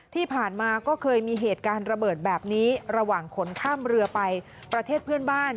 ที่ผ่านมาก็เคยมีเหตุการณ์ระเบิดแบบนี้ระหว่างขนข้ามเรือไปประเทศเพื่อนบ้าน